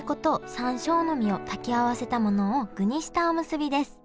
山椒の実を炊き合わせたものを具にしたおむすびです。